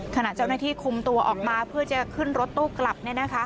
ขณะเจ้าหน้าที่คุมตัวออกมาเพื่อจะขึ้นรถตู้กลับ